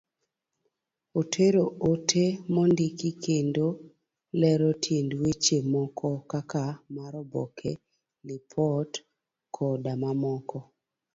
Otero ote mondiki kendo lero tiend weche moko kaka mar oboke, lipot, koda mamoko.